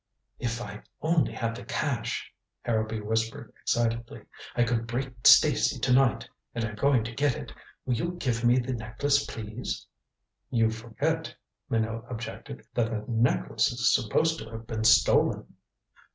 "If I only had the cash," Harrowby whispered excitedly, "I could break Stacy to night. And I'm going to get it. Will you give me the necklace, please." "You forget," Minot objected, "that the necklace is supposed to have been stolen."